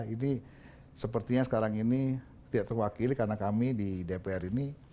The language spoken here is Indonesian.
ini sepertinya sekarang ini tidak terwakili karena kami di dpr ini